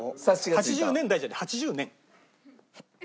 「８０年代」じゃない「８０年」。